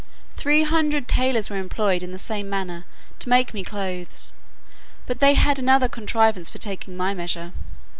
Three hundred tailors were employed in the same manner to make me clothes; but they had another contrivance for taking my measure.